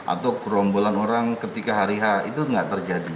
atau kerombolan orang ketika hari h itu nggak terjadi